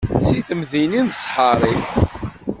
Si temdinin d ssḥari.